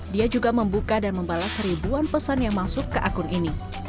dia juga membuka dan membalas ribuan pesan yang masuk ke akun ini